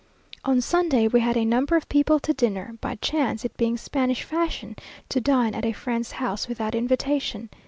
On Sunday we had a number of people to dinner, by chance, it being Spanish fashion to dine at a friend's house without invitation.